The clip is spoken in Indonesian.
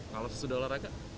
kalau sesudah olahraga